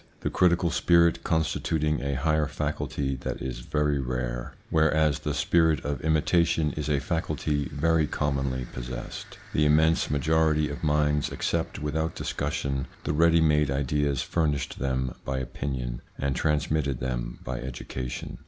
The critical spirit constituting a higher faculty that is very rare, whereas the spirit of imitation is a faculty very commonly possessed, the immense majority of minds accept without discussion the ready made ideas furnished them by opinion and transmitted them by education.